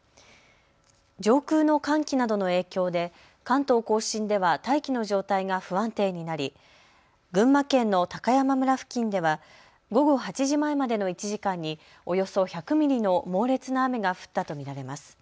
上空の寒気などの影響で関東甲信では大気の状態が不安定になり群馬県の高山村付近では午後８時前までの１時間におよそ１００ミリの猛烈な雨が降ったと見られます。